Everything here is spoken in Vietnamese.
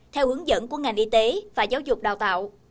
theo hướng dẫn của ngành y tế và giáo dục đào tạo